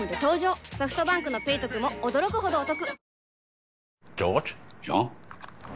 ソフトバンクの「ペイトク」も驚くほどおトク